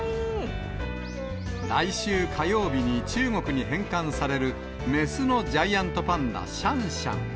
来週火曜日に中国に返還される雌のジャイアントパンダ、シャンシャン。